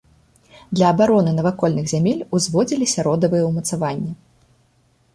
Для абароны навакольных зямель узводзіліся родавыя ўмацаванні.